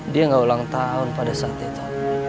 dia nggak ulang tahun pada saat itu